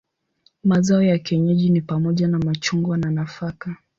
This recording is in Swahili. Mazao ya kienyeji ni pamoja na machungwa na nafaka.